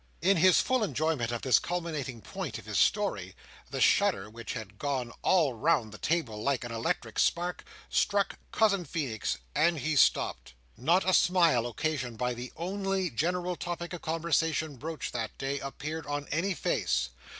'" In his full enjoyment of this culminating point of his story, the shudder, which had gone all round the table like an electric spark, struck Cousin Feenix, and he stopped. Not a smile occasioned by the only general topic of conversation broached that day, appeared on any face.